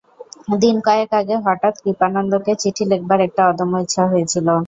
দিন কয়েক আগে হঠাৎ কৃপানন্দকে চিঠি লেখবার একটা অদম্য ইচ্ছা হয়েছিল।